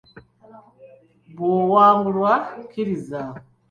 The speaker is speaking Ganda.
Bw'owangulwa kkiriza.